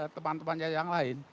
teman temannya yang lain